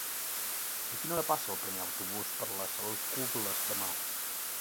A quina hora passa el primer autobús per les Alcubles demà?